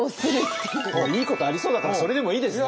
いいことありそうだからそれでもいいですね！